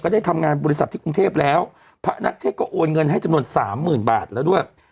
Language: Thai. ได้ทำงานบริษัทที่กรุงเทพแล้วพระนักเทศก็โอนเงินให้จำนวนสามหมื่นบาทแล้วด้วย